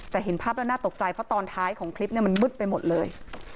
แต่เห็นภาพแล้วน่าตกใจเพราะตอนท้ายของคลิปมันมืดไปหมดเลย